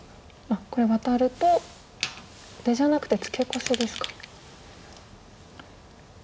これワタると出じゃなくてツケコシですか。